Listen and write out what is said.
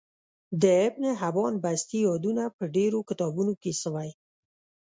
د ابن حبان بستي يادونه په ډیرو کتابونو کی سوی